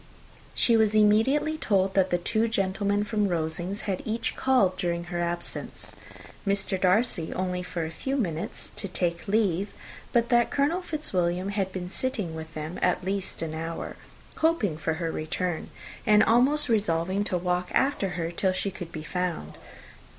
She was immediately told, that the two gentlemen from Rosings had each called during her absence; Mr. Darcy, only for a few minutes, to take leave, but that Colonel Fitzwilliam had been sitting with them at least an hour, hoping for her return, and almost resolving to walk after her till she could be found.